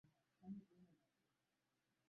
na mikoa mingine ishirini na tatu